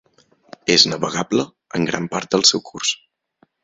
És navegable en gran part del seu curs.